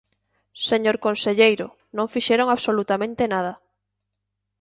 Señor conselleiro, non fixeron absolutamente nada.